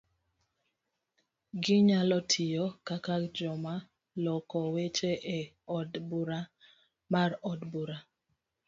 Ginyalo tiyo kaka joma loko weche e od bura mar od bura,